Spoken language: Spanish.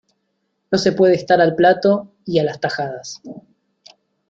No se puede estar al plato y a las tajadas.